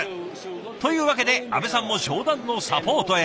というわけで阿部さんも商談のサポートへ。